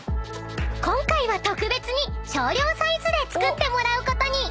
［今回は特別に少量サイズで作ってもらうことに］